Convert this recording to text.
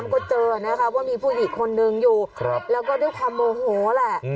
ก็เจอนะคะว่ามีผู้หญิงคนนึงอยู่แล้วก็ด้วยความโมโหแหละ